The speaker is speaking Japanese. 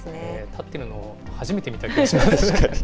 たってるの初めて見た気がします。